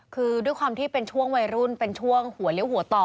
คือด้วยความที่เป็นช่วงวัยรุ่นเป็นช่วงหัวเลี้ยวหัวต่อ